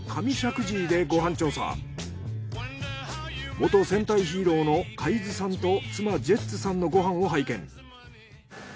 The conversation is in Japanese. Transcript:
元戦隊ヒーローの海津さんと妻ジェッツさんのご飯を拝見。